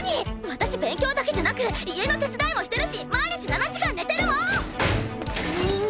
私勉強だけじゃなく家の手伝いもしてるし毎日７時間寝てるもん！